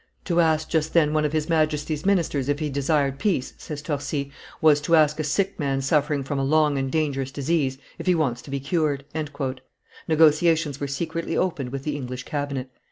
"To ask just then one of his Majesty's ministers if he desired peace," says Torcy, "was to ask a sick man suffering from a long and dangerous disease if he wants to be cured." Negotiations were secretly opened with the English cabinet.